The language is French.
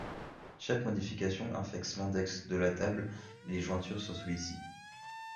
Chaque modification affecte l'index de la table et les jointures sur celui-ci.